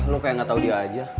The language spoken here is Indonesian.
lu kayak gak tau dia aja